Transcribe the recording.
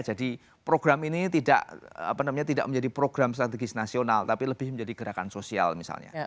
jadi program ini tidak menjadi program strategis nasional tapi lebih menjadi gerakan sosial misalnya